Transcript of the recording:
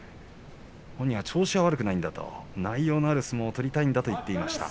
本人は調子悪くないんだ内容のある相撲を取りたいんだと話していました。